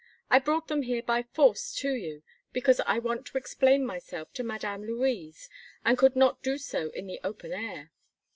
I brought them here by force to you because I want to explain myself to Madame Louise, and could not do so in the open air."